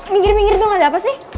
minggir minggir itu gak ada apa sih